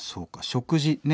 食事ね